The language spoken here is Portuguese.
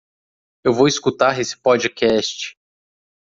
Eu vou escutar esse podcast.